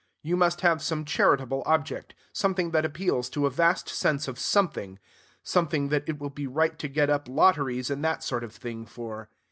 You must have some charitable object, something that appeals to a vast sense of something; something that it will be right to get up lotteries and that sort of thing for.